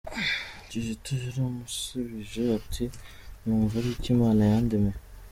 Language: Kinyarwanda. Kizito yaramusubije ati “Numva aricyo Imana yandemeye.”